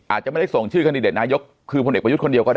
อาจจะไม่ได้ส่งชื่อคันดิเดตนายกคือพลเอกประยุทธ์คนเดียวก็ได้